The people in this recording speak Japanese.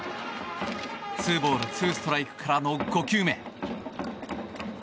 ２ボール２ストライクからの５球目。